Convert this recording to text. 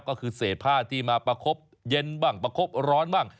ก็คือเศษผ้าที่มาประคบเย็นบ้างประคบร้อนบ้าง